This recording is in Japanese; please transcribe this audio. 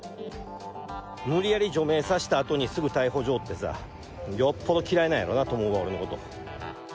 無理やり除名させたあとにすぐ逮捕状ってさ、よっぽど嫌いなんやろうなと思うわ、俺のこと。